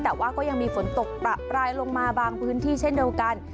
แต่ว่าก็ยังมีฝนตกประปรายลงมาบางพื้นที่เช่นเดียวกัน